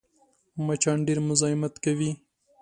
مچان ډېر مزاحمت کوي